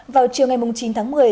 vào chiều ngày chín tháng một mươi